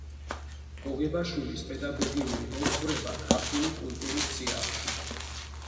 გოგებაშვილის პედაგოგიური მოძღვრება ქართული კულტურის წიაღში